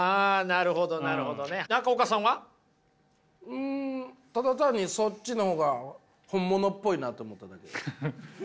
うんただ単にそっちの方が本物っぽいなと思っただけです。